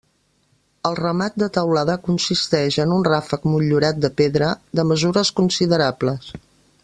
El remat de teulada consisteix en un ràfec motllurat de pedra, de mesures considerables.